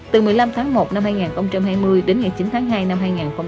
từ một mươi năm tháng một năm hai nghìn hai mươi đến ngày chín tháng hai năm hai nghìn hai mươi